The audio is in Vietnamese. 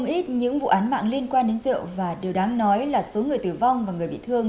không ít những vụ án mạng liên quan đến rượu và điều đáng nói là số người tử vong và người bị thương